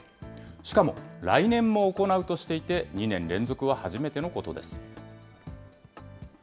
しかも、来年も行うとしていて、２年連続は初めてのことです。